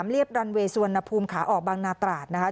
เรียบรันเวย์สุวรรณภูมิขาออกบางนาตราดนะคะ